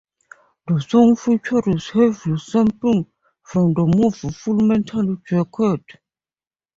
The song features heavily sampling from the movie Full Metal Jacket.